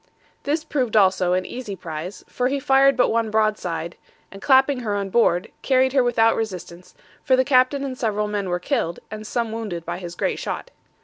This proved also an easy prize, for he fired but one broadside, and clapping her on board, carried her without resistance, for the captain and several men were killed, and some wounded by his great shot.